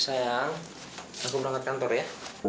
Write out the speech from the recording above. sayang langsung berangkat kantor ya